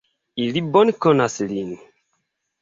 Ili bone konas lin.